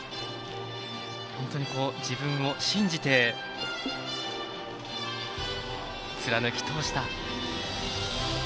本当に自分を信じて貫きとおした